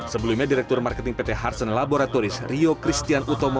sebelumnya direktur marketing pt harsen laboratoris rio christian utomo